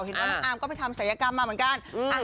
น้องอาร์มก็ไปทำศัยกรรมมาเหมือนกัน